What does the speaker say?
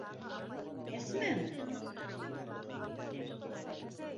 Әсмәме?